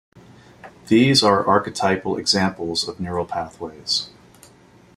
These are archetypal examples of neural pathways.